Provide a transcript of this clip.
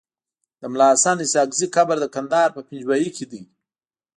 د ملاحسناسحاقزی قبر دکندهار په پنجوايي کیدی